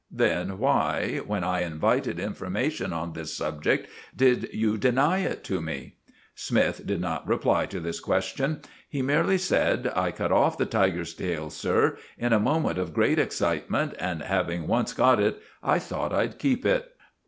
Then why, when I invited information on this subject, did you deny it to me?" Smythe did not reply to this question. He merely said, "I cut off the tiger's tail, sir, in a moment of great excitement, and having once got it, I thought I'd keep it."